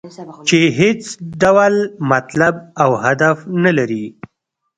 چې هېڅ ډول مطلب او هدف نه لري.